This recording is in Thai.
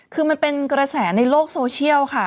คือมันเป็นกระแสในโลกโซเชียลค่ะ